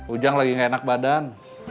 ujang lagi enak badan